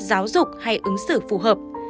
giáo dục hay ứng xử phù hợp